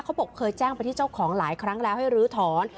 เขาบอกเคยแจ้งไปที่เจ้าของหลายครั้งแล้วให้ลื้อถอน